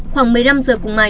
khoảng mấy năm giờ cùng mày